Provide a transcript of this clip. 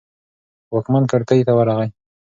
واکمن کړکۍ ته ورغی.